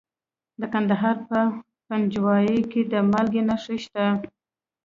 د کندهار په پنجوايي کې د مالګې نښې شته.